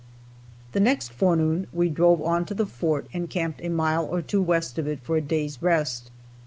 The next forenoon we drove on to the fort and camped a mile or two west of it for a day's rest.